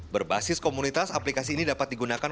berbasis komunitas aplikasi ini dapat digunakan